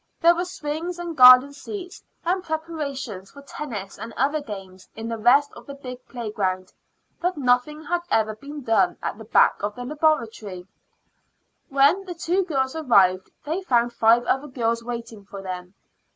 There were swings and garden seats and preparations for tennis and other games in the rest of the big playground, but nothing had ever been done at the back of the Laboratory. When the two girls arrived they found five other girls waiting for them.